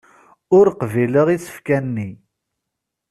Ur qbileɣ isefka-nni.